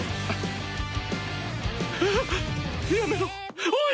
ハッやめろおい！